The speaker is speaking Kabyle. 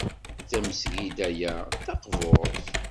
Tamesgida-a d taqburt.